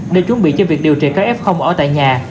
để chuẩn bị cho việc điều trị các f ở tại nhà